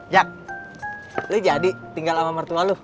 jack lo jadi tinggal sama mertua lo